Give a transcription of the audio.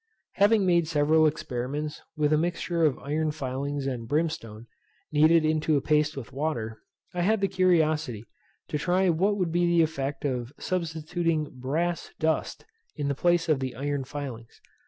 Having made several experiments with a mixture of iron filings and brimstone, kneaded to a paste with water, I had the curiosity to try what would be the effect of substituting brass dust in the place of the iron filings.